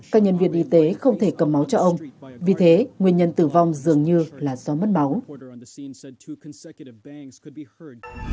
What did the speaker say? các nhân viên y tế không thể cầm máu cho ông vì thế nguyên nhân tử vong dường như là do mất máu